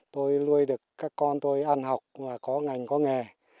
tôi nuôi được các con tôi ăn học và có ngành có nghề